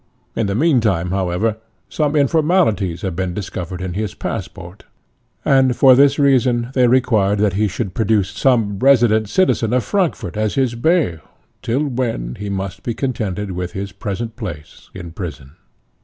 In the mean time, however, some informalities had been discovered in his passport, and for this reason they required that he should produce some resident citizen of Frankfort as his bail, till when he must be contented with his present place in prison.